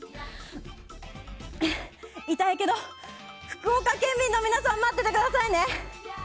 痛いけど、福岡県民の皆さん待っててくださいね！